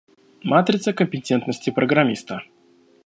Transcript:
Матрица компетентности программиста.